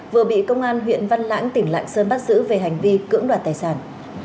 vừa bị công an huyện văn lãng tỉnh lạng sơn bắt giữ về hành vi cưỡng đoạt tài sản